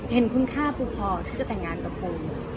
เห็นคุณค่าปูพอที่จะแต่งงานกับปู